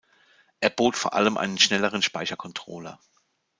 Er bot vor allem einen schnelleren Speichercontroller.